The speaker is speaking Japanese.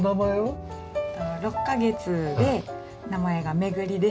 ６カ月で名前が巡です。